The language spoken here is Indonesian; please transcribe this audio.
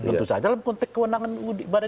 tentu saja dalam konteks kewenangan badan diri sendiri